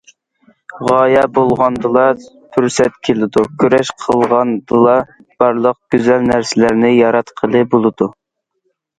غايە بولغاندىلا، پۇرسەت كېلىدۇ، كۈرەش قىلغاندىلا، بارلىق گۈزەل نەرسىلەرنى ياراتقىلى بولىدۇ.